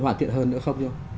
hoàn thiện hơn nữa không nhau